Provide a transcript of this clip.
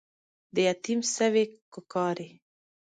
د يتيم سوې کوکارې